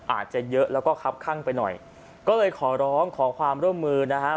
อาจจะเยอะแล้วก็ครับข้างไปหน่อยก็เลยขอร้องขอความร่วมมือนะฮะ